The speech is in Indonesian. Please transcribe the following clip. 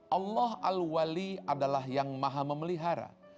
allah al wali adalah yang maha memelihara